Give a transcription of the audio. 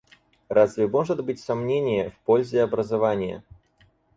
Разве может быть сомнение в пользе образования?